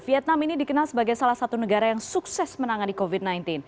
vietnam ini dikenal sebagai salah satu negara yang sukses menangani covid sembilan belas